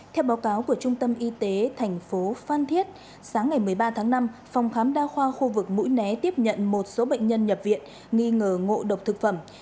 theo báo cáo của trung tâm y tế thành phố phan thiết sáng ngày một mươi ba tháng năm phòng khám đa khoa khu vực mũi né tiếp nhận một số bệnh nhân nhập viện nghi ngờ ngộ độc thực phẩm